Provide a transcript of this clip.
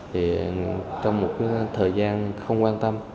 thì trong một cái thời gian không quan tâm